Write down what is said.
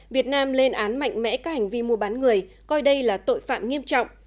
việt nam lên án mạnh mẽ các hành vi mua bán người coi đây là tội phạm nghiêm trọng